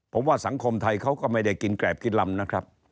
ผมว่าสังคมไทยเขาก็ไม่ได้กินแกรบกินลำนะครับ